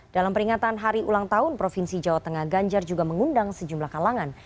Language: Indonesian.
dalam peringatan hari ulang tahun provinsi jawa tengah ganjar juga mengundang sejumlah kalangan